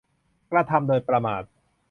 กระทำโดยประมาท